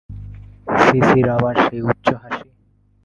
সিসির আবার সেই উচ্চ হাসি।